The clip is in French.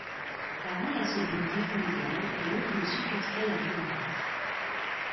Avant la Seconde Guerre mondiale, elle ouvre une succursale à Biarritz.